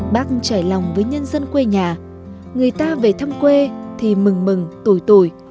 bác trải lòng với nhân dân quê nhà người ta về thăm quê thì mừng mừng tủi tủi